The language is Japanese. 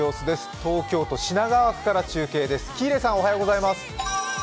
東京都品川区から中継です。